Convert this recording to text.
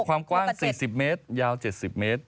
ความกว้าง๔๐เมตรยาว๗๐เมตร